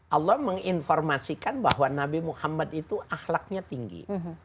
allah menginformasikan bahwa nabi muhammad itu akhlaknya tinggi